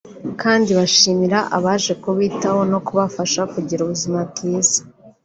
kandi bashimira abaje kubitaho no kubafasha kugira ubuzima bwiza